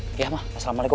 oke ma assalamualaikum